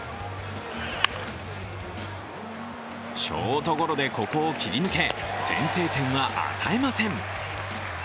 ショートゴロでここを切り抜け先制点は与えません。